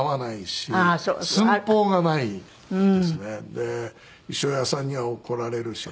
で衣装屋さんには怒られるし。